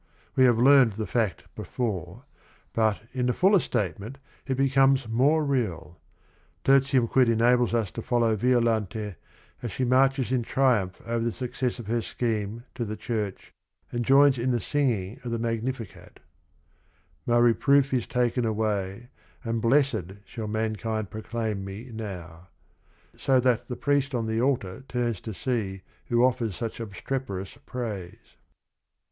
We have learned the fact before, but in the fuller statement it becomes more real. Tertium Quid enables us to follow Violante as she marches in triumph over the success of her scheme to the church and joins in the singing of the Magnificat: "' My reproof is taken away And blessed shall mankind proclaim me now.' " so that the priest on the altar turns to see who offers such obstreperous praise.